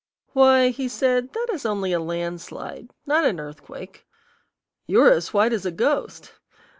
"Why," he said, "that is only a landslide, not an earthquake. You are as white as a ghost.